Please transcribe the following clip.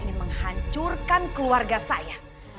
dan menghancurkan keluarga saya